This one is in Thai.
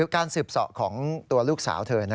การสืบเสาะของตัวลูกสาวเธอ